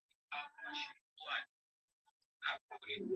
Pojo zimeuzwa.